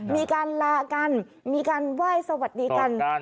มีการลากันมีการไหว้สวัสดีกัน